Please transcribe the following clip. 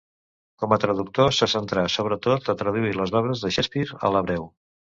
Com a traductor se centrà, sobretot, a traduir les obres de Shakespeare a l'hebreu.